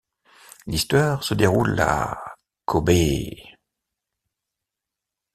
L'histoire se déroule à Kōbe.